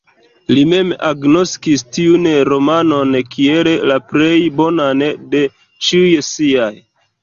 Li mem agnoskis tiun romanon kiel la plej bonan de ĉiuj siaj.